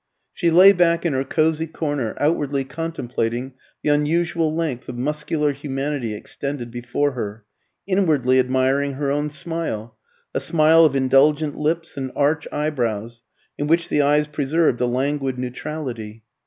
She lay back in her cosy corner, outwardly contemplating the unusual length of muscular humanity extended before her, inwardly admiring her own smile, a smile of indulgent lips and arch eyebrows, in which the eyes preserved a languid neutrality.